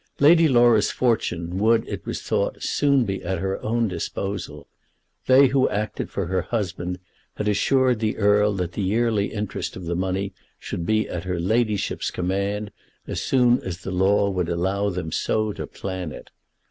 Lady Laura's fortune would, it was thought, soon be at her own disposal. They who acted for her husband had assured the Earl that the yearly interest of the money should be at her ladyship's command as soon as the law would allow them so to plan it.